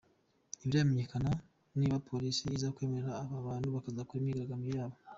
Ntibiramenyekana niba Polisi iza kwemerera aba bantu bakazakora imyigaragambyo yabo.